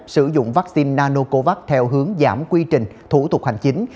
sử dụng vaccine nanocovax theo hướng giảm quy trình thủ tục hành chính